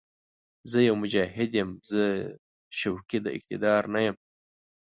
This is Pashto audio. زه يو «مجاهد» یم، زه شوقي د اقتدار نه یم